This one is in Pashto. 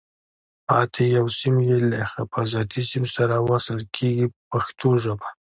پاتې یو سیم یې له حفاظتي سیم سره وصل کېږي په پښتو ژبه.